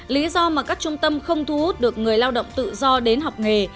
lý do mà các trung tâm không thu hút được người lao động tự do đến học nghề